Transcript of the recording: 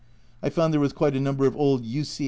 I found there was quite a number of old U.C.L.